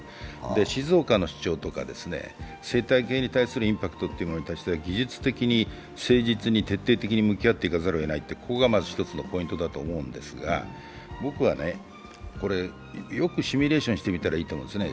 静岡の主張とか、生態系に対するインパクトっていうのは技術的に誠実に徹底的に向き合っていかなければならないと、ここがまず１のポイントだと思うんですが僕は、これ、よくシミュレーションしてみたらいいと思うんですね。